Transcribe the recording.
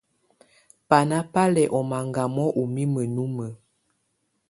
Banà bá lɛ̀ ɔ̀ maŋgamɔ ù mimǝ́ numǝ.